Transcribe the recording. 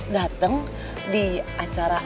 dateng di acara